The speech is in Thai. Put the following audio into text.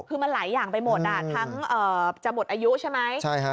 คือมันหลายอย่างไปหมดทั้งจะหมดอายุใช่ไหม